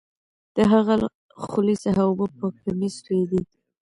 د هغه له خولې څخه اوبه په کمیس تویدې